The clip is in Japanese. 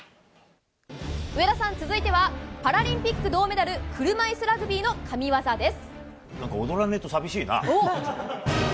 上田さん続いてはパラリンピック銅メダル車いすラグビーの神業です。